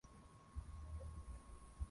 wa jamii ya watu wa Quechua anaeleza